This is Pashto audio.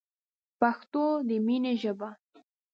پښتو دی مینی ژبه